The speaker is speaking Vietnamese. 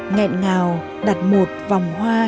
ngẹn ngào đặt một vòng hoa tinh thần